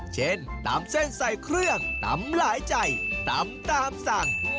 ตำเส้นใส่เครื่องตำหลายใจตำตามสั่ง